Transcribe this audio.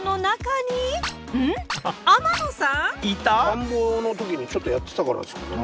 繁忙の時にちょっとやってたからですかね。